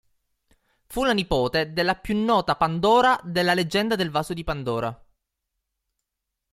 Fu la nipote della più nota Pandora della leggenda del Vaso di Pandora.